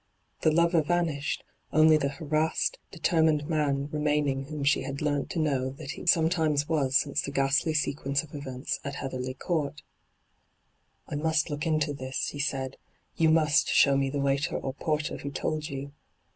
The lover vanished, only the harassed, deter mined man remaining whom she had learnt to D,gt,, 6rtbyGOOglC 134 ENTRAPPED know that he sometimes was since the ghastly sequence of events at Heatherly Court. ' I must look into this,' he said, ' You must show me the waiter or porter who told you.